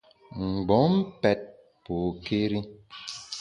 Mgbom pèt pokéri.